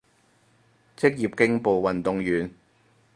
職業競步運動員